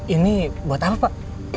ini buat apa pak